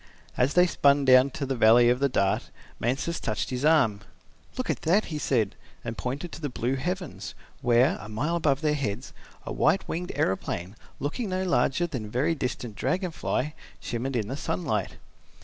As they spun down to the valley of the Dart, Mansus touched his arm. "Look at that," he said, and pointed to the blue heavens where, a mile above their heads, a white winged aeroplane, looking no larger than a very distant dragon fly, shimmered in the sunlight.